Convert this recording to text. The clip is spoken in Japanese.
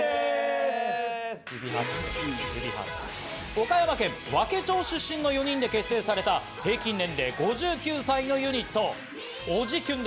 岡山県和気町出身の４人で結成された平均年齢５９歳のユニット、おじキュン！